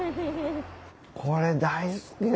これ大好きだ。